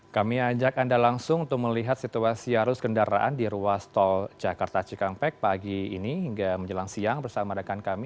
kami ajak anda langsung untuk melihat situasi arus kendaraan di ruas tol jakarta cikampek pagi ini hingga menjelang siang bersama rekan kami